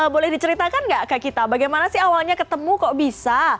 boleh diceritakan nggak ke kita bagaimana sih awalnya ketemu kok bisa